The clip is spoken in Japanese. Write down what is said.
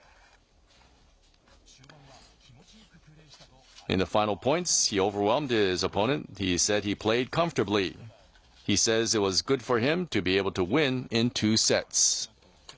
終盤は気持ちよくプレーしたと相手を圧倒。